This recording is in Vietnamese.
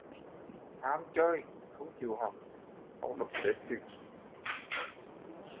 Ham chơi không chịu học, tau đập chết chừ